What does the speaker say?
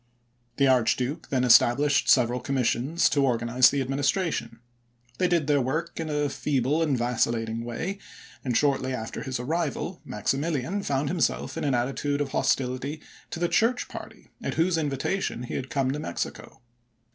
The Archduke then established several commis sions to organize the administration. They did their work in a feeble and vacillating way, and, shortly after his arrival, Maximilian found himself in an attitude of hostility to the Church party, at whose invitation he had come to Mexico.